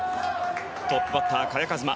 トップバッター、萱和磨。